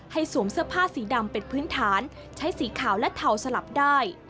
สวมเสื้อผ้าสีดำเป็นพื้นฐานใช้สีขาวและเทาสลับได้